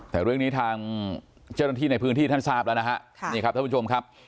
แต่เรื่องนี้ทางเจ้าหน้าที่ในพื้นที่ท่านทราบแล้วนะฮะนี่ครับท่านผู้ชมครับ